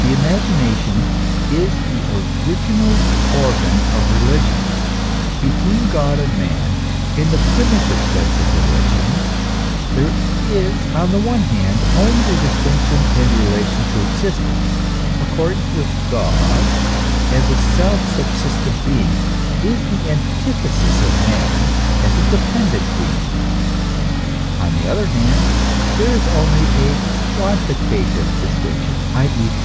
The imagination is the original organ of religion. Between God and man, in the primitive sense of religion, there is on the one hand only a distinction in relation to existence, according to which God as a self sub sistent being is the antithesis of man as a dependent being; on the other hand there is only a quantitative distinction, i.e.